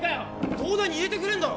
東大に入れてくれんだろ？